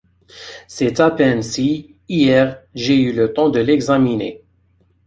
C’est à peine si, hier, j’ai eu le temps de l’examiner!...